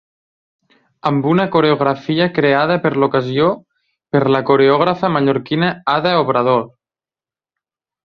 Amb una coreografia creada per l'ocasió per la coreògrafa mallorquina Ada Obrador.